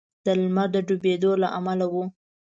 د لمر د ډبېدو له امله و.